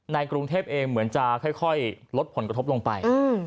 ในกรุงเทพเองเหมือนจะค่อยค่อยลดผลกระทบลงไปอืม